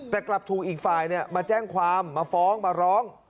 แต่กลับถูกอีกฝ่ายมาแจ้งความมาฟ้องมาร้อง